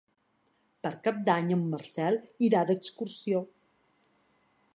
Per Cap d'Any en Marcel irà d'excursió.